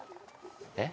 えっ？